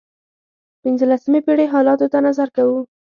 پنځلسمې پېړۍ حالاتو ته نظر کوو.